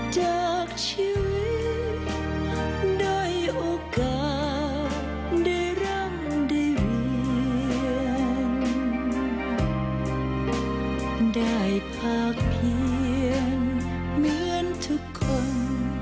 จากชีวิตได้โอกาสได้ร่างได้เวียน